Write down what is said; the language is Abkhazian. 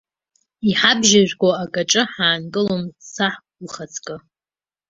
Иҳабжьыжәго акаҿы ҳаангылом, саҳ ухаҵкы!